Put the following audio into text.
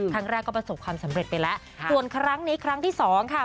ครั้งแรกก็ประสบความสำเร็จไปแล้วส่วนครั้งนี้ครั้งที่สองค่ะ